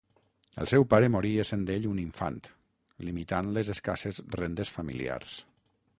El seu pare morí essent ell un infant, limitant les escasses rendes familiars.